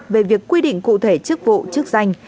về việc quy định cụ thể chức vụ chức danh